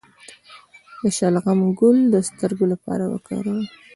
د شلغم ګل د سترګو لپاره وکاروئ